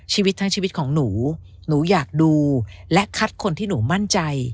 ชีวิตทั้งชีวิตของหนูหนูอยากดูและคัดคนที่หนูมั่นใจ